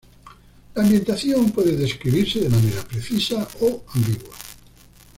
La ambientación puede describirse de manera precisa o ambigua.